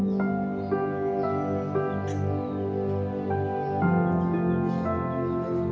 jam sekarang itu dia dia akan melihat ke viennent namis composition